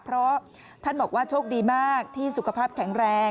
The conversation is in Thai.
เพราะท่านบอกว่าโชคดีมากที่สุขภาพแข็งแรง